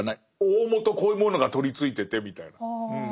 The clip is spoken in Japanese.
大本こういうものが取りついててみたいな。